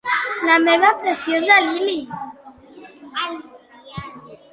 La meva preciosa Lily!